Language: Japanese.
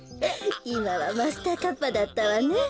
いまはマスターカッパーだったわね。